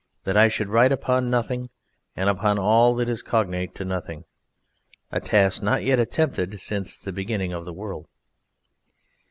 that I should write upon Nothing, and upon all that is cognate to Nothing, a task not yet attempted since the Beginning of the World.